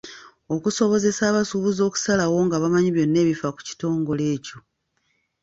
Okusobozesa abasuubuzi okusalawo nga bamanyi byonna ebifa ku kitongole ekyo.